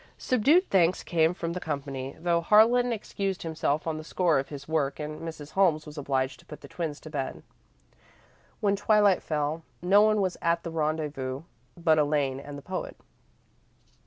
Subdued thanks came from the company, though Harlan excused himself on the score of his work, and Mrs. Holmes was obliged to put the twins to bed. When twilight fell, no one was at the rendezvous but Elaine and the poet.